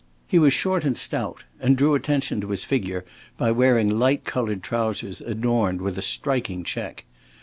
He was short and stout, and drew attention to his figure by wearing light colored trousers adorned with a striking check.